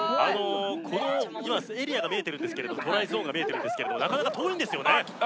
この今エリアが見えてるんですけれどもトライゾーンが見えてるんですけれどもなかなか遠いんですよね